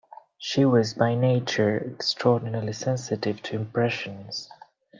She was by nature extraordinarily sensitive to impressions.